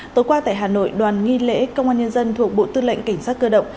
tối qua tại hà nội đoàn nghi lễ công an nhân dân thuộc bộ tư lệnh cảnh sát cơ động